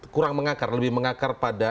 kurang mengakar lebih mengakar pada